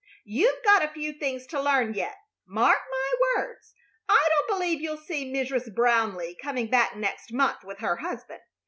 You've got a few things to learn yet. Mark my words, I don't believe you'll see Mrs. Brownleigh coming back next month with her husband.